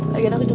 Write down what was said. lagian aku juga